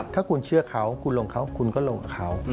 ถ้าคุณเชื่อเขาคุณลงเขาคุณก็ลงกับเขา